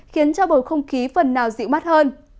khiến cho bầu không khí phần nào dịu mát hơn